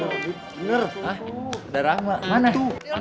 bener hah ada rahma mana itu